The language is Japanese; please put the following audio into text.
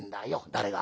「誰が？